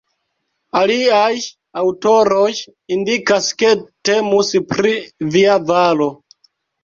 Aliaj aŭtoroj indikas ke temus pri "via valo".